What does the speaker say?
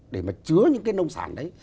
để mà chứa những cái nông sản đấy